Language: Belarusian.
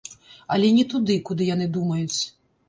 Але не туды, куды яны думаюць.